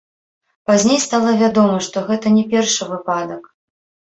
Пазней стала вядома, што гэта не першы выпадак.